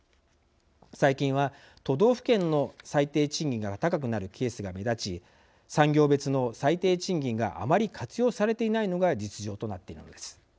最近は、都道府県の最低賃金が高くなるケースが目立ち産業別の最低賃金があまり活用されていないのが実情となっているのです。